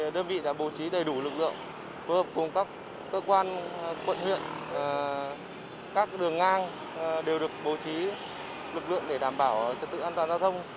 đơn vị đã bố trí đầy đủ lực lượng phối hợp cùng các cơ quan quận huyện các đường ngang đều được bố trí lực lượng để đảm bảo trật tự an toàn giao thông